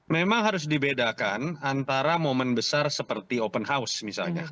memang harus dibedakan antara momen besar seperti open house misalnya